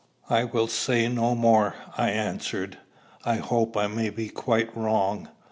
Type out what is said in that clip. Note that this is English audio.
"I will say no more," I answered. "I hope I may be quite wrong.